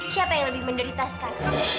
siapa yang lebih menderita sekarang